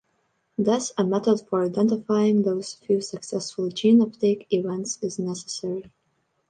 Thus, a method for identifying those few successful gene uptake events is necessary.